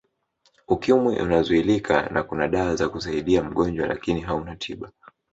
Ukimwi unazuilika na kuna dawa za kusaidia mgojwa lakini hauna tiba